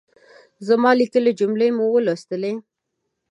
زما ليکلۍ جملې مو ولوستلې؟